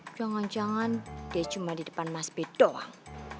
jangan jangan dia cuma di depan mas b doang